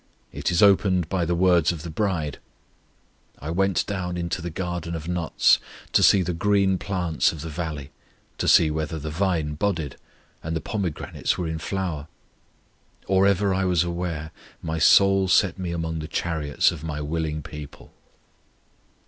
It is opened by the words of the bride: I went down into the garden of nuts, To see the green plants of the valley, To see whether the vine budded, And the pomegranates were in flower. Or ever I was aware, my soul set me Among the chariots of my willing people.